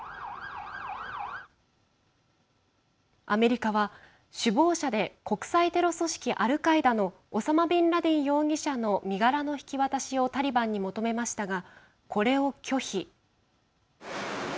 アメリカは、首謀者で国際テロ組織アルカイダのオサマ・ビンラディン容疑者の身柄の引き渡しをタリバンに求めましたがこれを拒否。